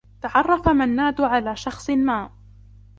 تعرّف منّاد على شخص ما.